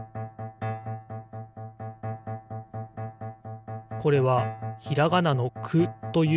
これはひらがなの「く」というもじです。